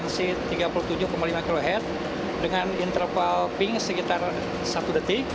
kotak hitam lain air mengeluarkan sinyal pink dengan frekuensi tiga puluh tujuh lima khz dengan interval pink sekitar satu detik